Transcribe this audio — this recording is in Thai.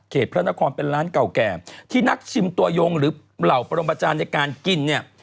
พระนครเป็นร้านเก่าแก่ที่นักชิมตัวยงหรือเหล่าปรมจารย์ในการกินเนี่ย